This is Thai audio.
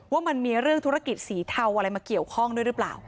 ว่ามันมีเรื่องธุรกิจสีเทาอะไรมาเกี่ยวข้องด้วยหรือเปล่า